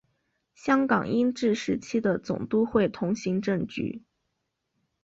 香港英治时期的总督会同行政局。